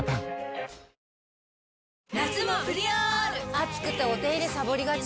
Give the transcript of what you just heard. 暑くてお手入れさぼりがち。